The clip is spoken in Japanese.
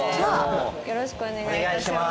よろしくお願いします。